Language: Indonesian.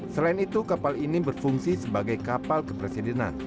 selain itu kapal ini berfungsi sebagai kapal kepresidenan